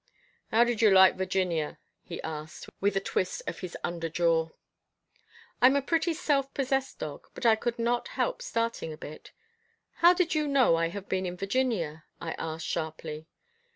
"How did you like Virginia?" he asked, with a twist of his under jaw. I'm a pretty self possessed dog, but I could not help starting a bit. "How did you know I have been in Virginia?" I asked sharply.